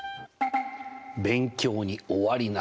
勉強に終わりなし！